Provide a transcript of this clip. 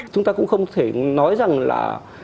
chúng ta cũng không thể nói rằng là